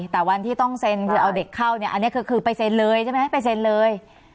แต่วันที่ต้องเซ็นคือเอาเด็กเข้าเนี่ยอันนี้คือไปเซ็นเลยใช่ไหมไปเซ็นเลย